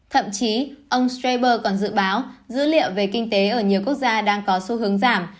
thậm chí ông srabber còn dự báo dữ liệu về kinh tế ở nhiều quốc gia đang có xu hướng giảm